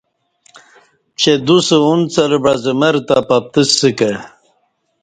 چہ دوسہ ا نڅہ لہ بعزہ مر تہ پپتسہ کہ